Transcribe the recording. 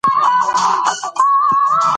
سپین ويښتان په رښتیا هم د تجربې او عقل نښه ده.